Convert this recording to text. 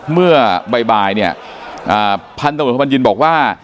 เมื่อบ่ายพันธนบริษัทมะยิ้นบอกว่า